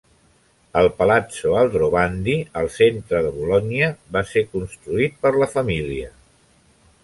El Palazzo Aldrovandi, al centre de Bologna, va ser construït per la família.